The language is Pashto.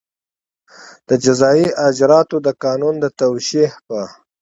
د جزایي اجراآتو د قانون د توشېح په